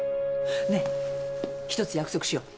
ねえ１つ約束しよう。